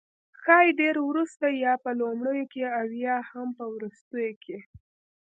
ښايي ډیر وروسته، یا په لومړیو کې او یا هم په وروستیو کې